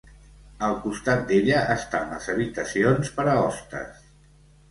Al costat d'ella estan les habitacions per a hostes.